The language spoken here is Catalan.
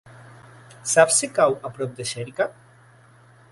Saps si cau a prop de Xèrica?